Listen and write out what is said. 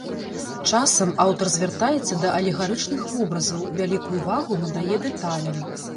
Часам аўтар звяртаецца да алегарычных вобразаў, вялікую ўвагу надае дэталям.